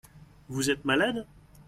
Vous êtes malade ?